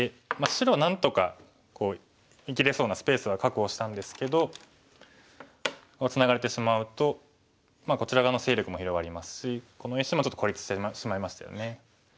白なんとか生きれそうなスペースは確保したんですけどこうツナがれてしまうとこちら側の勢力も広がりますしこの石もちょっと孤立してしまいましたよね。